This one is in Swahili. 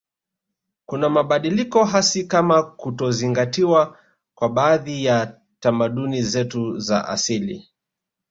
Kuna mabadiliko hasi kama kutozingatiwa kwa baadhi ya tamaduni zetu za asili